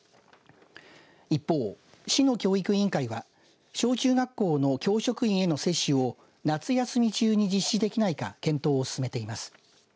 一方、市の教育委員会は小中学校の教職員への接種を夏休み中に実施できないか検討を進めています。